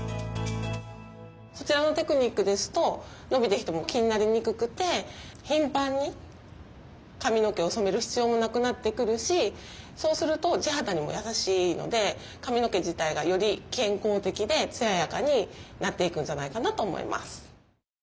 そちらのテクニックですと伸びてきても気になりにくくて頻繁に髪の毛を染める必要もなくなってくるしそうすると地肌にも優しいので髪の毛自体がより健康的で艶やかになっていくんじゃないかなと思います。